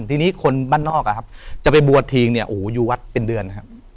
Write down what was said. ทีนี้คนบ้านนอกอะครับจะไปบวชทีงเนี่ยโอ้โหอยู่วัดเป็นเดือนนะครับ